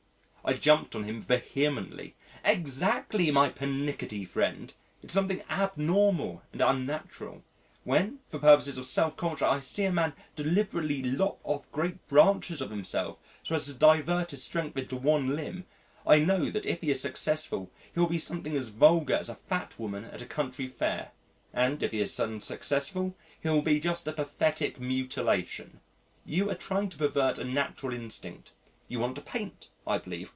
I jumped on him vehemently, "Exactly, my pernickety friend; it's something abnormal and unnatural. When, for purposes of self culture, I see a man deliberately lop off great branches of himself so as to divert his strength into one limb, I know that if he is successful he'll be something as vulgar as a fat woman at a country fair; and if he is unsuccessful he'll be just a pathetic mutilation.... You are trying to pervert a natural instinct. You want to paint, I believe.